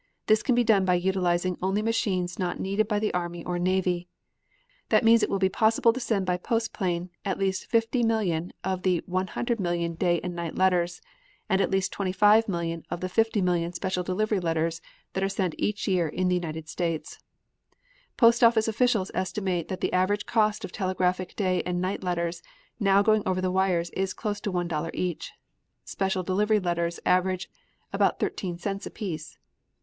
This can be done by utilizing only machines not needed by the army or navy. That means it will be possible to send by postplane at least 50,000,000 of the 100,000,000 day and night letters, and at least 25,000,000 of the 50,000,000 special delivery letters that are sent each year in the United States. Postoffice officials estimate that the average cost of telegraphic day and night letters now going over the wires is close to one dollar each. Special delivery letters average about thirteen cents apiece.